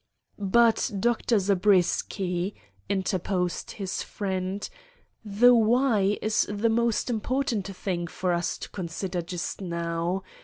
"But, Dr. Zabriskie," interposed his friend, "the why is the most important thing for us to consider just now.